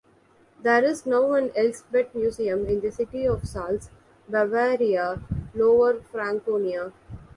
There is now an Elsbett Museum in the city of Salz, Bavaria, Lower Franconia.